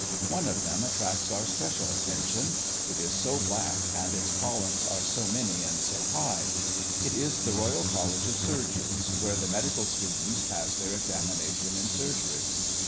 One of them attracts our special attention; it is so black and its columns are so many and so high. It is the Royal College of Surgeons, where the medical students pass their examination in surgery.